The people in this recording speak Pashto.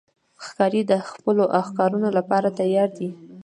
ښکاري د خپلو ښکارونو لپاره تیار دی.